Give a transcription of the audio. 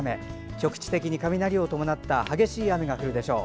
局地的に雷を伴った激しい雨が降るでしょう。